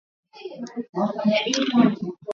unaweza kuambukizwa kwa kufanya ngono bila kinga